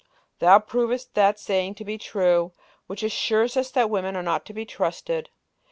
thou provest that saying to be true, which assures us that women are not to be trusted.